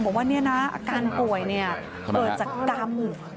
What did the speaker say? บอกว่านี่นะอาการป่วยเกิดจากกรรม